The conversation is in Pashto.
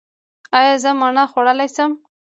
ایا زه مڼه خوړلی شم؟